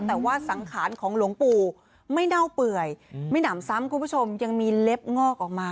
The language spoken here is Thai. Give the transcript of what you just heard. แต่ว่าสังขารของหลวงปู่ไม่เน่าเปื่อยไม่หนำซ้ำคุณผู้ชมยังมีเล็บงอกออกมา